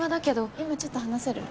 今ちょっと話せる？